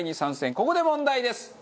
ここで問題です。